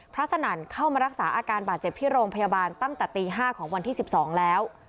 สนั่นเข้ามารักษาอาการบาดเจ็บที่โรงพยาบาลตั้งแต่ตี๕ของวันที่๑๒แล้ว